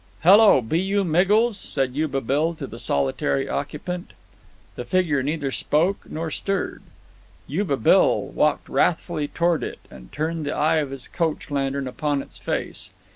"Hello, be you Miggles?" said Yuba Bill to the solitary occupant. The figure neither spoke nor stirred. Yuba Bill walked wrathfully toward it, and turned the eye of his coach lantern upon its face.